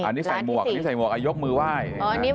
อันนี้ใส่หมวกยกมือไหว้